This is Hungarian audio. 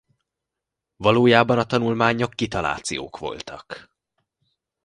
Valójában a tanulmányok kitalációk voltak.